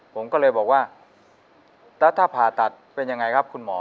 ผมก็เลยบอกว่าแล้วถ้าผ่าตัดเป็นยังไงครับคุณหมอ